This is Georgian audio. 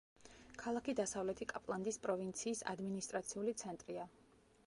ქალაქი დასავლეთი კაპლანდის პროვინციის ადმინისტრაციული ცენტრია.